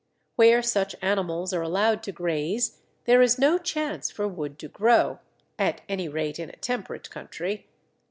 Where such animals are allowed to graze there is no chance for wood to grow (at any rate in a temperate country).